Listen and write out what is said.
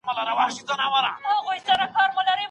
موږ هيڅکله نه دي ويلي، چي بيسواده خلک بد دي.